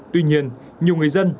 tuy nhiên nhiều người dân